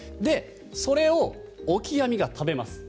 それをオキアミが食べます。